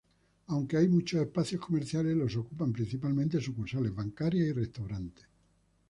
Aunque hay muchos espacios comerciales, los ocupan principalmente sucursales bancarias y restaurantes.